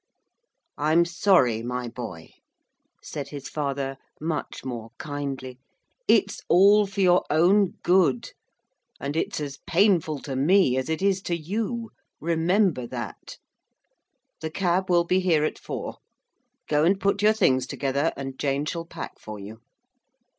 'I'm sorry, my boy,' said his father, much more kindly; 'it's all for your own good, and it's as painful to me as it is to you remember that. The cab will be here at four. Go and put your things together, and Jane shall pack for you.'